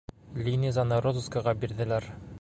Линизаны розыскаға бирҙеләр.